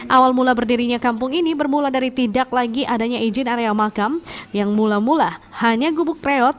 awal mula berdirinya kampung ini bermula dari tidak lagi adanya izin area makam yang mula mula hanya gubuk reot